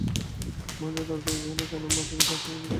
মহেন্দ্র তাড়াতাড়ি কহিল, কেন মা, তুমি তাঁর সঙ্গে দেখা করিয়াই এসো-না।